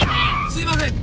すみません！